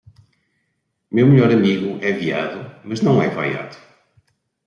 meu melhor amigo é viado mas não é vaiado